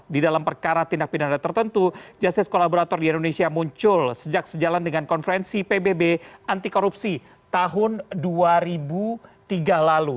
di dalam perkara tindak pidana tertentu justice kolaborator di indonesia muncul sejak sejalan dengan konferensi pbb anti korupsi tahun dua ribu tiga lalu